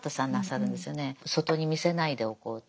外に見せないでおこうと。